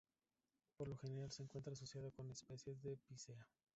Por lo general se encuentra asociado con especies de "Picea".